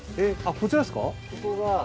こちらですか？